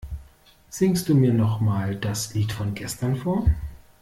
Singst du mir noch mal das Lied von gestern vor?